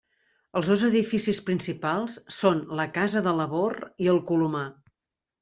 Els dos edificis principals són la Casa de Labor i el Colomar.